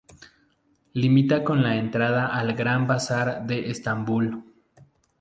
Limita con la entrada al Gran Bazar de Estambul.